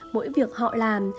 mỗi việc họ làm